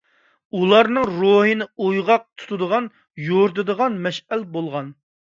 ئۇلارنىڭ روھىنى ئويغاق تۇتىدىغان، يورۇتىدىغان مەشئەل بولغان.